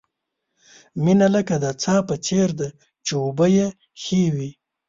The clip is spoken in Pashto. مینه لکه د څاه په څېر ده، چې اوبه یې ښې وي.